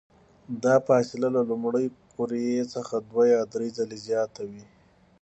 دا فاصله له لومړۍ قوریې څخه دوه یا درې ځلې زیاته وي.